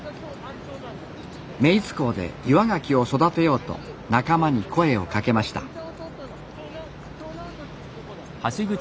目井津港で岩がきを育てようと仲間に声をかけました。